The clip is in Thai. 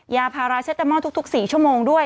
ยาพาราเชตามอลทุก๔ชั่วโมงด้วย